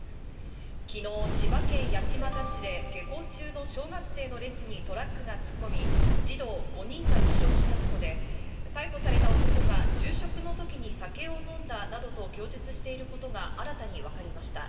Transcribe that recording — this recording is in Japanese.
昨日、千葉県八街市で下校中の小学生の列にトラックが突っ込み児童５人が死傷した事故で逮捕された男が昼食のときに酒を飲んだなどと供述していることが新たにわかりました。